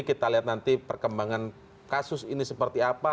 kita lihat nanti perkembangan kasus ini seperti apa